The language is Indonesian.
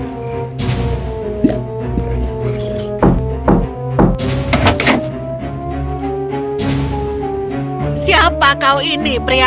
sekarang ayamu akan menanggicate bahwa ayam ini harus disenjuri dan ditaduk dengan jauh